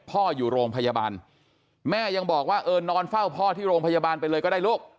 พ่ออยู่โรงพยาบาลแม่ยังบอกว่าเออนอนเฝ้าพ่อที่โรงพยาบาลไปเลยก็ได้ลูก